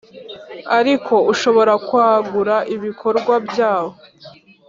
ariko ushobora kwagura ibikorwa byawo